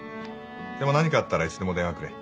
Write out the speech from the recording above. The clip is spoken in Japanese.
でも何かあったらいつでも電話くれ。